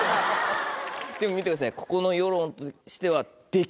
でも見てください。